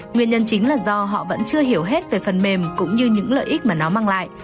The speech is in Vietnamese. nguyên nhân chính là do họ vẫn chưa hiểu hết về phần mềm cũng như những lợi ích mà nó mang lại